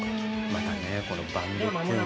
またねこのバンドっていう。